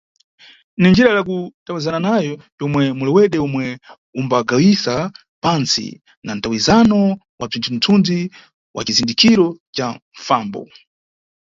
Ni njira ya kutawizana nayo yomwe mulewedwe omwe umbagawisa pantsi na mtawizano wa bzithunzi-zithuzi wa cizindikiro ca mfambo.